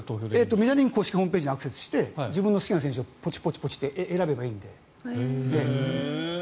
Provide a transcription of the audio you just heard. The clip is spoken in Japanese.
メジャーリーグの公式ホームページにアクセスして自分の好きな選手をポチポチ選べばいいので。